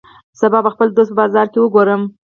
سبا به خپل دوست په بازار کی وګورم